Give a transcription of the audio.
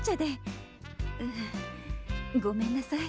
ううごめんなさい